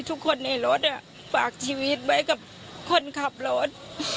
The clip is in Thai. ทุกคนในรถฝากชีวิตไว้กับคนขับรถ